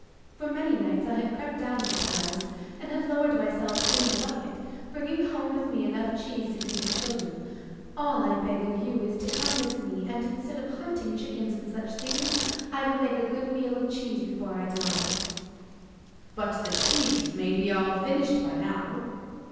For many nights I have crept down to the palace, and have lowered myself in the bucket, bringing home with me enough cheese to feed the children. All I beg of you is to come with me, and, instead of hunting chickens and such things, I will make a good meal off cheese before I die.' 'But the cheeses may be all finished by now?